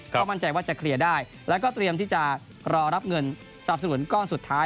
ก็มั่นใจว่าจะเคลียร์ได้แล้วก็เตรียมที่จะรอรับเงินสนับสนุนก้อนสุดท้าย